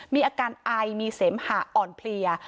มีอาการอายมีเสร็มหาอ่อนเพลีย